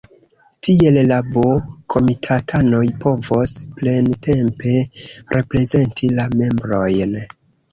Tiel la B-komitatanoj povos plentempe reprezenti la membrojn.